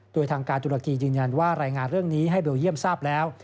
โดยทางการตุรกียืนยันว่ารายงานเรื่องนี้ให้เบลเยี่ยมทราบแล้ว